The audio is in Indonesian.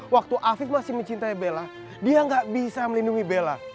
waktu afif masih mencintai bella dia nggak bisa melindungi bella